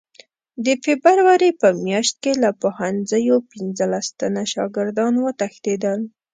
د فبروري په میاشت کې له پوهنځیو پنځلس تنه شاګردان وتښتېدل.